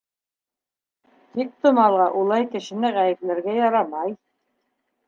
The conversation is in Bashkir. Тоҡтомалға улай кешене ғәйепләргә ярамай.